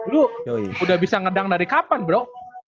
lu udah bisa ngedang dari kapan bro